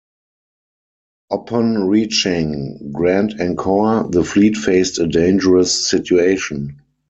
Upon reaching Grand Encore the fleet faced a dangerous situation.